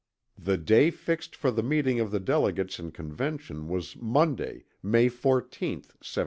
The day fixed for the meeting of the delegates in Convention was Monday, May 14th 1787.